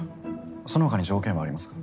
その他に条件はありますか？